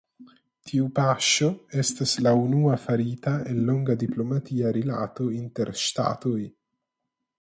Tiu paŝo estas la unua farita en longa diplomatia rilato inter ŝtatoj.